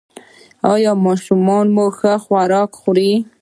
ایا ماشومان مو ښه خواړه خوري؟